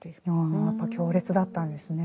あやっぱ強烈だったんですね。